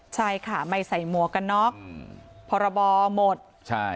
ใช่ค่ะไม่ใส่หมวกกันน็อกพรบหมดใช่